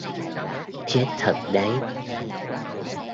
Chết thật đấy